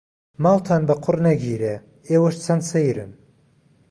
ماڵتان بە قوڕ نەگیرێ ئێوەش چەند سەیرن.